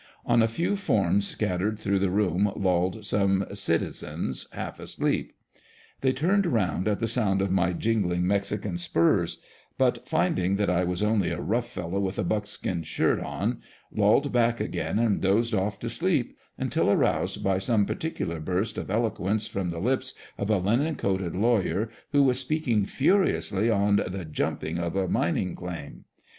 On a few forms scattered through the room, lolled some " citizens" half asleep. They turned round at the sound of my jingling Mexican spurs, but finding that I was only a rough fellow with a buckskin shirt on, lolled back again and dozed off to sleep until aroused by some particular burst of eloquence from the lips of a linen coated lawyer who was speaking furiously on the "jumping" of a mining claim.